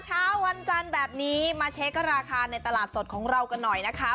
เช้าวันจันทร์แบบนี้มาเช็คราคาในตลาดสดของเรากันหน่อยนะคะ